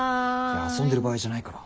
遊んでる場合じゃないから。